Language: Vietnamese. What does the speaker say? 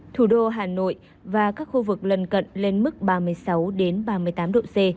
thủ đô hà nội và các khu vực lân cận lên mức ba mươi sáu ba mươi tám độ c